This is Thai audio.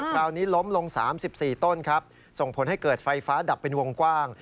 คราวนี้ล้มลง๓๔ต้นครับส่งผลให้เกิดไฟฟ้าดับเป็นวงกว้าง